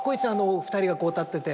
お２人が立ってて。